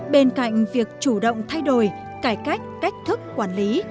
bên cạnh việc chủ động thay đổi cải cách cách thức quản lý